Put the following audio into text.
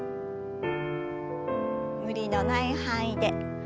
無理のない範囲で。